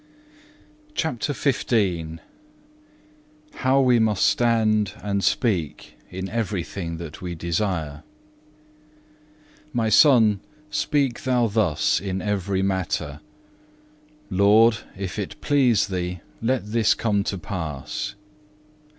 CHAPTER XV How we must stand and speak, in everything that we desire "My Son, speak thou thus in every matter, 'Lord, if it please Thee, let this come to pass.